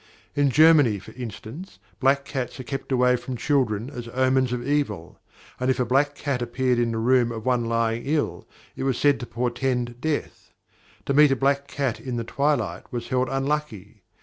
In Germany, for instance, black cats are kept away from children as omens of evil, and if a black cat appeared in the room of one lying ill it was said to portend death. To meet a black cat in the twilight was held unlucky.